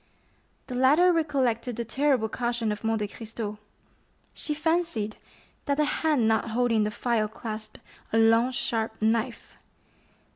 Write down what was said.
The latter recollected the terrible caution of Monte Cristo; she fancied that the hand not holding the phial clasped a long sharp knife.